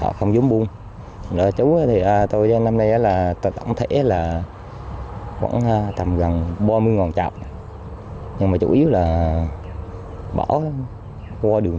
họ không giống buông họ không giống buông